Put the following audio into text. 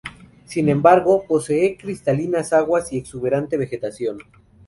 Sin embargo, posee cristalinas aguas y exuberante vegetación.